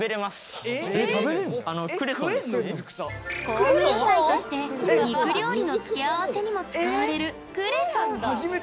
香味野菜として肉料理の付け合わせにも使われるクレソン。